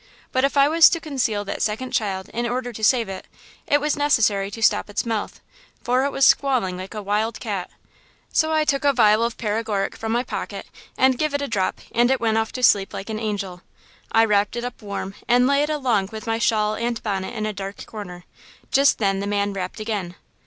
But if I was to conceal that second child in order to save it, it was necessary to stop its mouth, for it was squalling like a wild cat. So I took a vial of paregoric from my pocket and give it a drop and it went off to sleep like an angel. I wrapped it up warm and lay it along with my shawl and bonnet in a dark corner. Just then the man rapped again.